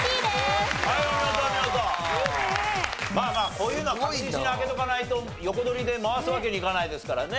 こういうのは確実に開けておかないと横取りで回すわけにいかないですからね。